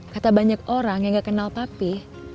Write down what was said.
kata banyak orang yang gak kenal papi